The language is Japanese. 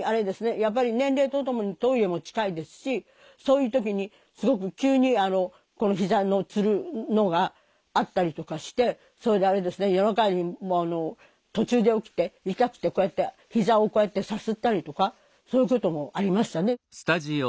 やっぱり年齢とともにトイレも近いですしそういう時にすごく急にひざのつるのがあったりとかしてそれであれですね夜中にもう途中で起きて痛くてこうやってひざをこうやってさすったりとかそういうこともありましたね。